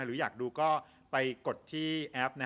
หรืออยากดูก็ไปกดที่แอป